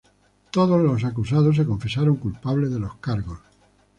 Todos los acusados se confesaron culpables de los cargos.